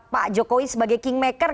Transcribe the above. pak jokowi sebagai kingmaker